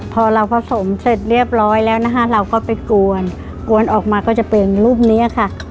พอเราผสมเสร็จเรียบร้อยแล้วนะคะเราก็ไปกวนกวนออกมาก็จะเป็นรูปนี้ค่ะ